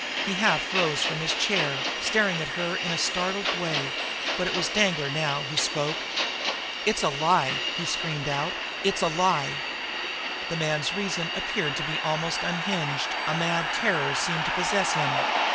He half rose from his chair, staring at her in a startled way but it was Danglar now who spoke. "It's a lie!" he screamed out. "It's a lie!" The man's reason appeared to be almost unhinged; a mad terror seemed to possess him.